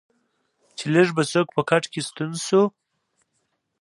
چې لږ به څوک په کټ کې ستون شو.